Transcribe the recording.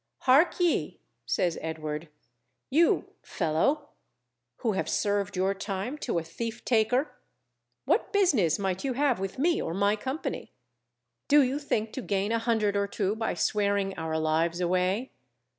Hark ye, says Edward, _you fellow, who have served your time to a thief taker; what business might you have with me or my company? Do you think to gain a hundred or two by swearing our lives away?